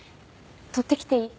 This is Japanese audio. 取ってきていい？